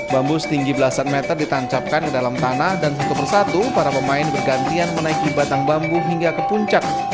bambu setinggi belasan meter ditancapkan ke dalam tanah dan satu persatu para pemain bergantian menaiki batang bambu hingga ke puncak